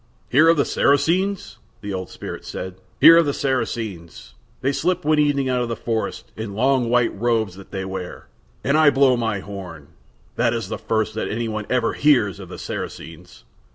"Hear of the Saracens!" the old spirit said. "Hear of the Saracens! They slip one evening out of that forest, in the long white robes that they wear, and I blow my horn. That is the first that anyone ever hears of the Saracens."